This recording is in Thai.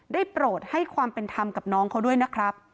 โปรดให้ความเป็นธรรมกับน้องเขาด้วยนะครับ